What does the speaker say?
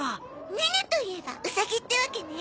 ネネといえばウサギってわけね。